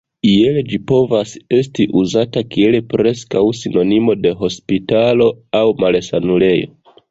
Iel ĝi povas esti uzata kiel preskaŭ sinonimo de hospitalo aŭ malsanulejo.